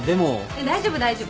大丈夫大丈夫。